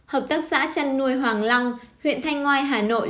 hợp tác xã chăn nuôi hoàng long huyện thanh ngoai hà nội